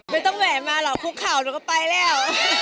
ไม่ต้องแหวนมาหรอกคุกเข่าหนูก็ไปแล้ว